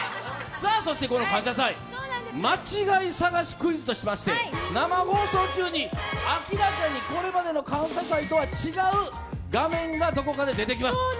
この「感謝祭」間違い探しクイズとしまして、生放送中に明らかにこれまでの「感謝祭」とは違う画面がどこかで出てきます。